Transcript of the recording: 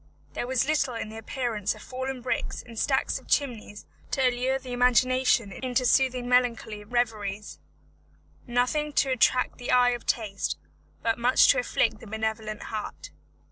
There was little in the appearance of fallen bricks and stacks of chimneys to allure the imagination into soothing melancholy reveries; nothing to attract the eye of taste, but much to afflict the benevolent heart.